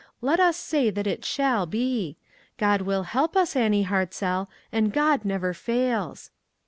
Let us say that it shall be. God will help us, Annie Hartzell, and God never fails."